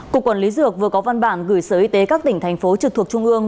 cục quản lý dược vừa có văn bản gửi sở y tế các tỉnh thành phố trực thuộc trung ương